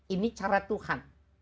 ini cara tuhan